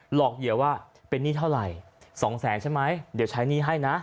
หลอกเหยื่อว่าเป็นหนี้เท่าไหร่๒แสนใช่ไหมเดี๋ยวใช้หนี้ให้นะ